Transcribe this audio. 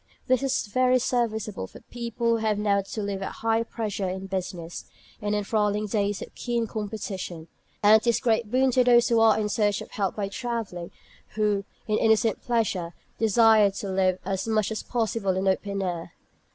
This is very serviceable for people who have now to live at high pressure in business, in the enthralling days of keen competition. And it is a great boon to those who are in search of health by travelling, or who, in innocent pleasure, desire to live as much as possible in the open air.